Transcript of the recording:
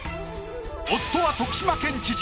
夫は徳島県知事。